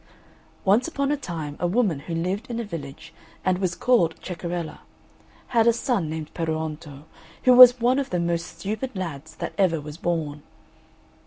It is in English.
Once upon a time a woman who lived in a village, and was called Ceccarella, had a son named Peruonto, who was one of the most stupid lads that ever was born.